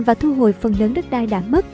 và thu hồi phần lớn đất đai đã mất